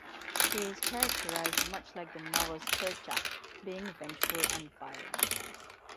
He is characterized much like the novel's Kerchak, being vengeful and violent.